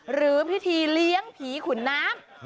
หรือพิธีเลี้ยงผีขุนน้ำ